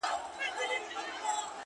په دې د دې دنيا نه يم په دې د دې دنيا يم’